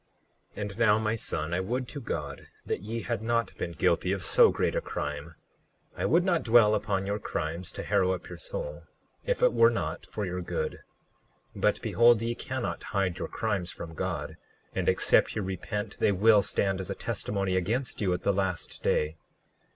39:7 And now, my son, I would to God that ye had not been guilty of so great a crime. I would not dwell upon your crimes, to harrow up your soul, if it were not for your good. 39:8 But behold, ye cannot hide your crimes from God; and except ye repent they will stand as a testimony against you at the last day.